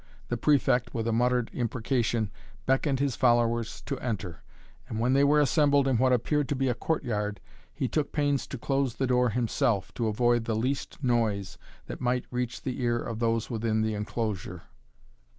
The Prefect, with a muttered imprecation, beckoned his followers to enter, and when they were assembled in what appeared to be a courtyard, he took pains to close the door himself, to avoid the least noise that might reach the ear of those within the enclosure.